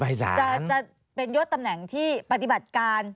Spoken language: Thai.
จะเป็นยศตำแหน่งที่ปฏิบัติการ